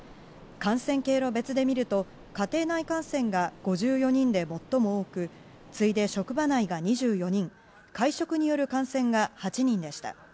感染経路別で見ると家庭内感染が５４人で最も多く次いで職場内が２４人会食による感染が８人でした。